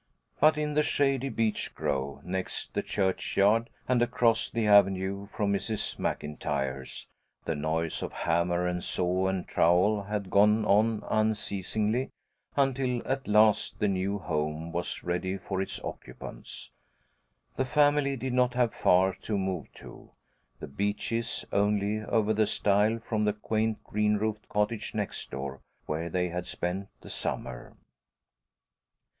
But in the shady beech grove, next the churchyard, and across the avenue from Mrs. MacIntyre's, the noise of hammer and saw and trowel had gone on unceasingly, until at last the new home was ready for its occupants. The family did not have far to move to "The Beeches"; only over the stile from the quaint green roofed cottage next door, where they had spent the summer.